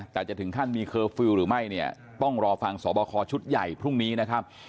แต่จะถึงขั้นมีเคอร์ฟิลล์หรือไม่เนี่ยต้องรอฟังสอบคอชุดใหญ่พรุ่งนี้นะครับ